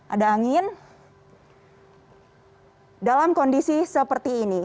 ada angin dalam kondisi seperti ini